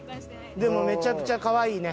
でもめちゃくちゃ可愛いね。